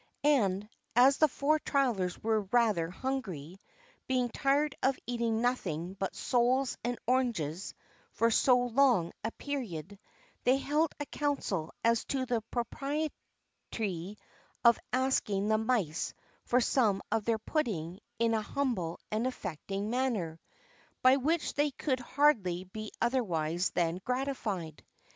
And as the four travelers were rather hungry, being tired of eating nothing but soles and oranges for so long a period, they held a council as to the propriety of asking the mice for some of their pudding in a humble and affecting manner, by which they could hardly be otherwise than gratified.